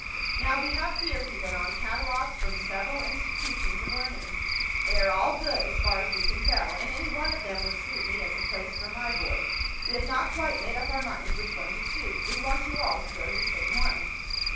"Now we have here," he went on, "catalogues from several institutions of learning. They are all good, as far as we can tell, and any one of them would suit me as a place for my boy. We have not quite made up our minds which one to choose. We want you all to go to the same one."